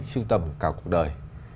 siêu tầm cả cuộc đời